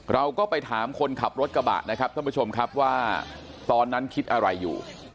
เราก็ไปถามคนขับรถกระบะนะครับท่านผู้ชมครับว่าตอนนั้นคิดอะไรอยู่